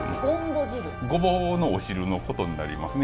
ごぼうのお汁のことになりますね。